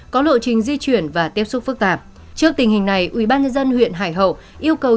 có lộ trình di chuyển và tiếp xúc phức tạp trước tình hình này ubnd huyện hải hậu yêu cầu